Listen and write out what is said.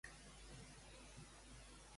En quina disciplina va adquirir l'expertesa?